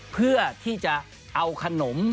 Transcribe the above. เพื่อที่จะเอาขนม